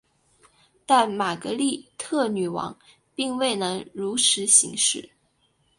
但玛格丽特女王并未能如实行事。